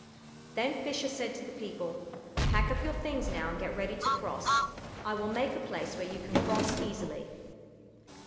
Then Fisher said to the people, "Pack up your things now and get ready to cross. I will make a place where you can cross easily."